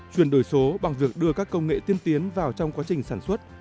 chuyển đổi số bằng việc đưa các công nghệ tiên tiến vào trong quá trình sản xuất